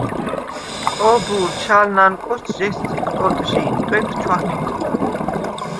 კო̄ბჷლდშვ ალ ნანკოშდ ჟ’ესწიქვ ტოტჟი̄ნ, ტვეტ ჩვაფიტ.